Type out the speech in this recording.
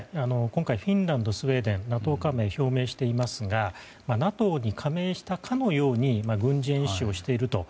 今回、フィンランドとスウェーデンがＮＡＴＯ加盟を表明していますがＮＡＴＯに加盟したかのように軍事演習をしていると。